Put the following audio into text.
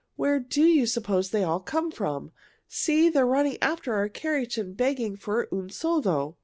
"Where do you suppose they all come from? See, they are running after our carriage and begging for un soldo.